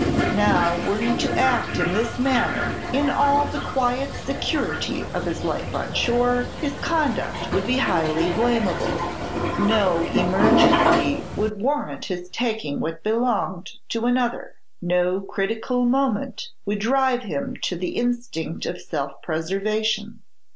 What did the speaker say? Now, were he to act in this manner in all the quiet security of his life on shore, his conduct would be highly blamable. No emergency would warrant his taking what belonged to another, no critical moment would drive him to the instinct of self preservation.